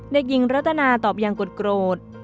เด็กหญิงรัตนาตอบอย่างกดโกรธ